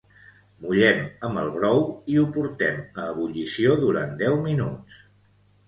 Mullem amb el brou i ho portem a ebullició durant deu minuts.